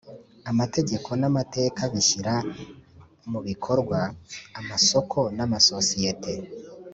amategeko n amateka bishyira mu bikorwa amasoko na ma sosiyete